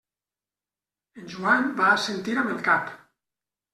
En Joan va assentir amb el cap.